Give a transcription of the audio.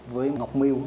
với ngọc miu